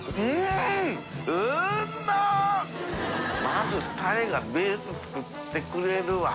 まずタレがベース作ってくれるわ。